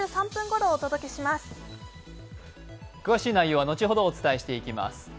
詳しい内容は後ほどお伝えしてまいります。